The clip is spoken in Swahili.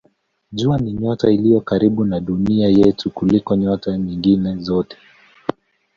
Jua ni nyota iliyo karibu na Dunia yetu kuliko nyota nyingine zote.